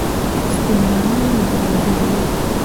سپینه رڼا له دروازې راوتله.